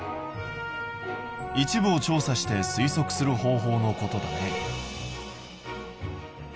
一部を調査して推測する方法のことだね。